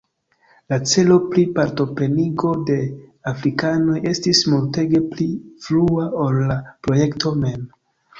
La celo pri partoprenigo de afrikanoj estis multege pli frua ol la projekto mem.